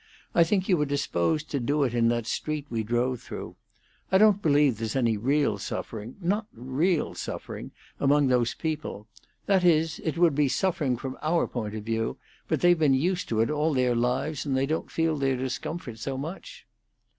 I think you were disposed to do it in that street we drove through. I don't believe there's any real suffering not real suffering among those people; that is, it would be suffering from our point of view, but they've been used to it all their lives, and they don't feel their discomfort so much."